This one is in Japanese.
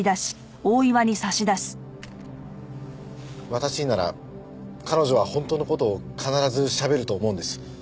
私になら彼女は本当の事を必ずしゃべると思うんです。